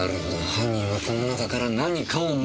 犯人はこの中から何かを持ち去った！